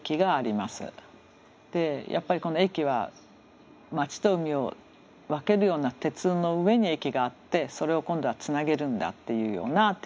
やっぱりこの駅は町と海を分けるような上に駅があってそれを今度はつなげるんだっていうような提案で。